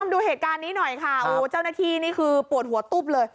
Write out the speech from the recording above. ดูเหตุการณ์นี้หน่อยค่ะโอ้เจ้าหน้าที่นี่คือปวดหัวตุ๊บเลย